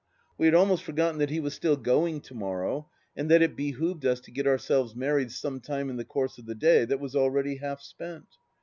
We had almost forgotten that he was still going to morrow and that it behoved us to get ourselves married some time in the course of the day that was already half spent.